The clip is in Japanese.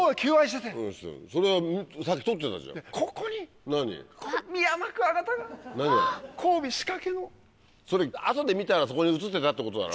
それ後で見たらそこに写ってたってことだろ？